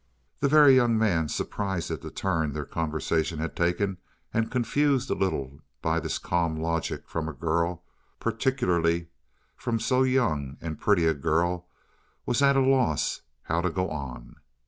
The Very Young Man, surprised at the turn their conversation had taken, and confused a little by this calm logic from a girl particularly from so young and pretty a girl was at a loss how to go on.